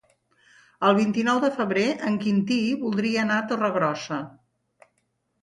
El vint-i-nou de febrer en Quintí voldria anar a Torregrossa.